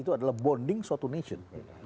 itu adalah bonding suatu nation